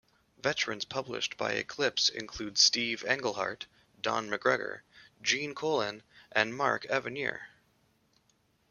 Veterans published by Eclipse include Steve Englehart, Don McGregor, Gene Colan, and Mark Evanier.